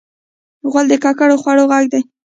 غول د ککړ خوړو غږ دی.